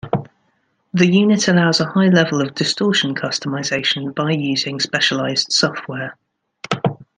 The unit allows a high level of distortion customization by using specialized software.